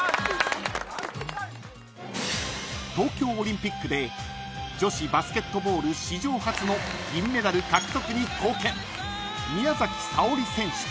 ［東京オリンピックで女子バスケットボール史上初の銀メダル獲得に貢献］